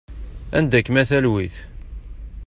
Anda-kem a talwit?